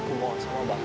aku mau sama bak pak